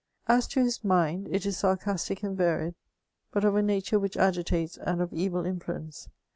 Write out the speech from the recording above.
As to his ndnd, it is sarcastic and varied, but of a natme which agitates, and of evil influence.